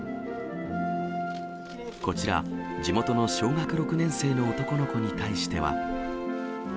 こちら、地元の小学６年生の男の子に対しては。